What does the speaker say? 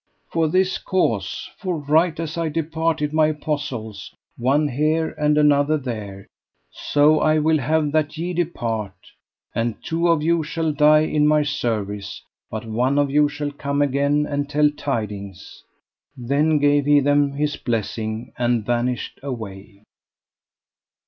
For this cause: for right as I departed my apostles one here and another there, so I will that ye depart; and two of you shall die in my service, but one of you shall come again and tell tidings. Then gave he them his blessing and vanished away.